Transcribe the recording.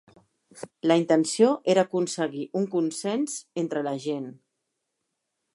La intenció era aconseguir un consens entre la gent.